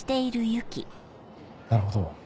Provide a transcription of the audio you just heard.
なるほど。